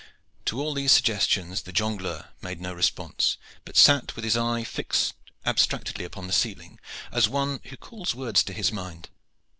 To all these suggestions the jongleur made no response, but sat with his eye fixed abstractedly upon the ceiling, as one who calls words to his mind.